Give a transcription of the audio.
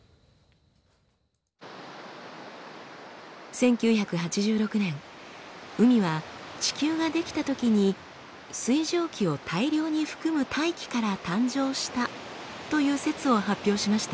１９８６年海は地球が出来たときに水蒸気を大量に含む大気から誕生したという説を発表しました。